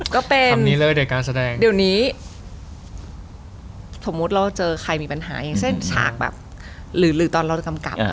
ก็เป็นเดี๋ยวนี้สมมุติเราเจอใครมีปัญหาอย่างเช่นฉากแบบหรือตอนเรากำกับ